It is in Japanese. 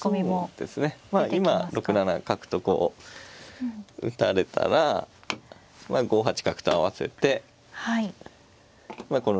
そうですねまあ今６七角とこう打たれたら５八角と合わせてまあ